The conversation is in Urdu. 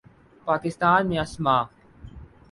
پاکستان میں اسما